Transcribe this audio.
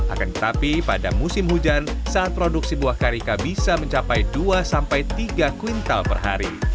akan tetapi pada musim hujan saat produksi buah karika bisa mencapai dua sampai tiga kuintal per hari